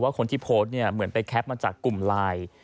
คนที่โพสต์เนี่ยเหมือนไปแคปมาจากกลุ่มไลน์